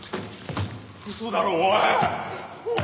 嘘だろおい。